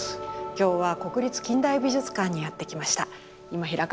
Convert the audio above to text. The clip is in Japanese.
今日は国立近代美術館にやって来ました。